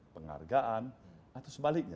penghargaan atau sebaliknya